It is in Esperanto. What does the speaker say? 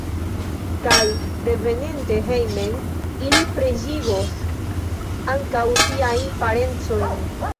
Kaj reveninte hejmen ili preĝigos ankaŭ siajn parencojn.